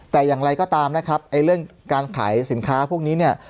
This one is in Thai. แต่อย่างไรก็ตามนะครับไอ้เรื่องการขายสินค้าพวกนี้เนี่ย